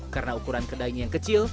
karena ukuran kedainya yang kecil